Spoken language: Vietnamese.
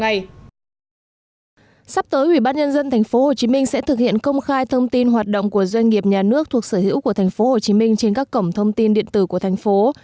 tiếp tới ubnd tp hcm sẽ thực hiện công khai thông tin hoạt động của doanh nghiệp nhà nước thuộc sở hữu của tp hcm trên các cổng thông tin điện tử của thành phố